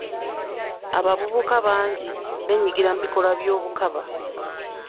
Abavubuka bangi beenyigira mu bikolwa eby'obukaba.